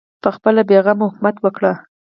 پخپله بې غمه حکومت وکړي